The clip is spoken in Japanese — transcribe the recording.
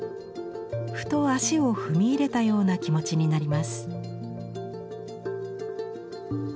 ふと足を踏み入れたような気持ちになります。